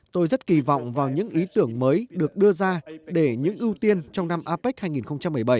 tôi rất kỳ vọng vào những ý tưởng mới được đưa ra để những ưu tiên trong năm apec hai nghìn một mươi bảy